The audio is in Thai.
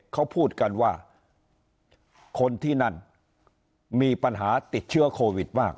เขาพูดกันว่าคนที่นั่นมีปัญหาติดเชื้อโควิดมาก